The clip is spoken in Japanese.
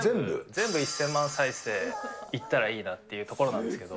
全部１０００万再生いったらいいなっていうところなんですけど。